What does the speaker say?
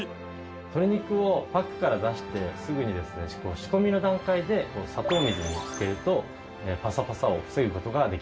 鶏肉をパックから出してすぐにですね仕込みの段階で砂糖水に漬けるとパサパサを防ぐ事ができます。